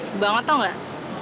seke banget tau gak